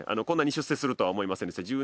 こんなに出世するとは思いませんでした。